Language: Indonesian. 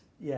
oke ya jadi